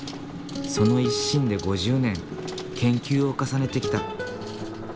その一心で５０年研究を重ねてきた。